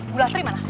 bu lastri mana